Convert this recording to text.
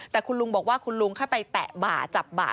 แต่คุณลุงบอกว่าคุณลุงแค่ไปแตะบ่าจับบ่า